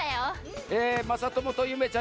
えまさともとゆめちゃん